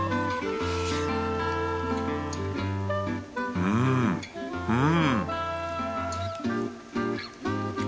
うんうん